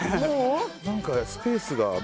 何かスペースが。